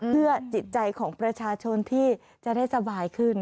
เพื่อจิตใจของประชาชนที่จะได้สบายขึ้น